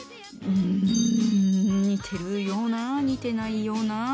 うん似てるような似てないような。